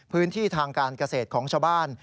พื้นที่ทางการเกษตรของชาวบ้าน